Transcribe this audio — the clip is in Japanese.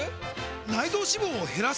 内臓脂肪を減らす！？